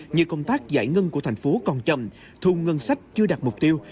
như công tác giải ngân của thành phố còn chậm thu ngân sách chưa đạt mục tiêu